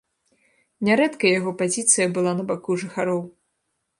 Нярэдка яго пазіцыя была на баку жыхароў.